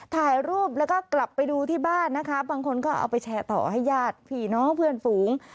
ถ่ายรูปแล้วก็กลับไปดูที่บ้านนะคะบางคนก็เอาไปแชร์ต่อให้ญาติผีน้องเพื่อนฝูง